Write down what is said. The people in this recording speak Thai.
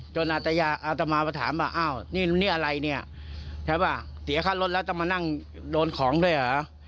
อาตยาอาตมามาถามว่าอ้าวนี่นี่อะไรเนี่ยใช่ป่ะเสียค่ารถแล้วต้องมานั่งโดนของด้วยเหรอ